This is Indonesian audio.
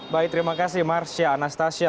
baik terima kasih marsya anastasia